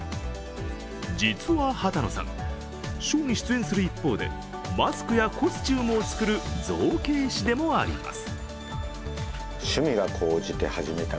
実は羽田野さん、ショーに出演する一方でマスクやコスチュームを作る造形師でもあります。